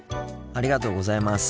ありがとうございます。